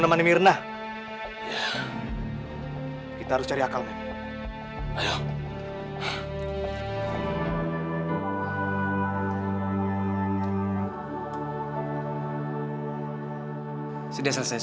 temen temen gue pada marah nih